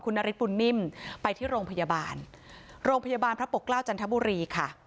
นาริสปุ่นนิ่มไปที่โรงพยาบาลโรงพยาบาลพระปกเกล้าจันทบุรีค่ะ